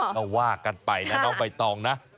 ก็ว่ากันไปนะนอกไปต่องนะ